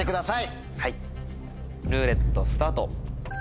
ルーレットスタート。